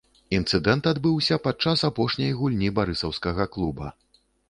Інцыдэнт адбыўся падчас апошняй гульні барысаўскага клуба.